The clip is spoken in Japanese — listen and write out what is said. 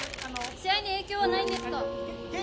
試合に影響はないんですか？